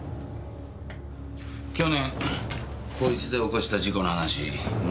去年こいつで起こした事故の話もう一度しようか。